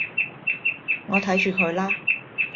我睇住佢啦